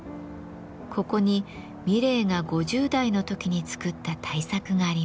ここに三玲が５０代の時に作った大作があります。